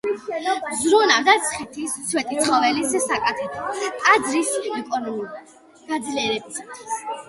ზრუნავდა მცხეთის სვეტიცხოვლის საკათედრო ტაძრის ეკონომიკურად გაძლიერებისათვის.